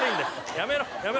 やめろ